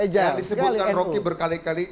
yang disebutkan rocky berkali kali